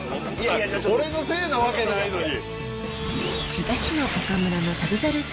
俺のせいなわけないのに。